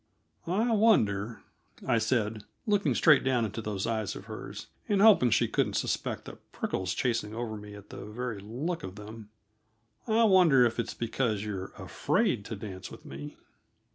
"I wonder," I said, looking straight down into those eyes of hers, and hoping she couldn't suspect the prickles chasing over me at the very look of them "I wonder if it's because you're afraid to dance with me?"